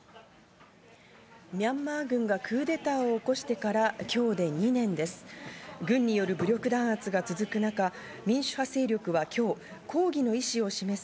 ミャンマー軍がクーデターを起こしてから、今日で２年です。